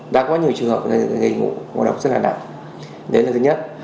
đã có nhiều trường hợp gây ngộ độc rất là nặng đấy là thứ nhất